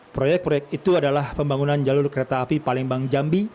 proyek proyek itu adalah pembangunan jalur kereta api palembang jambi